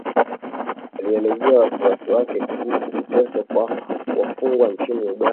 alielezea wasiwasi wake kuhusu kuteswa kwa wafungwa nchini Uganda